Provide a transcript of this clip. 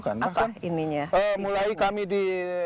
apa ininya mulai kami di